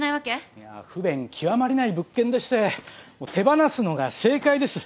いやぁ不便極まりない物件でして手放すのが正解です。